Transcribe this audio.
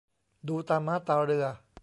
ดูตาม้าตาเรือ